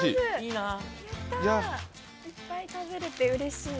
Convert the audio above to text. いっぱい食べれてうれしい。